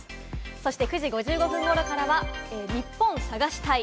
そして９時５５分頃からは「ニッポン探し隊！」。